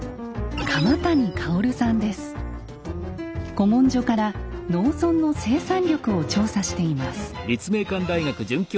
古文書から農村の生産力を調査しています。